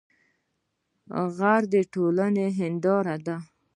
غږ د ټولنې هنداره ده